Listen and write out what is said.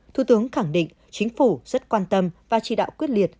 thủ tướng khẳng định chính phủ rất quan tâm và chỉ đạo quyết liệt